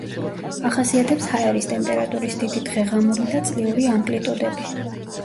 ახასიათებს ჰაერის ტემპერატურის დიდი დღეღამური და წლიური ამპლიტუდები.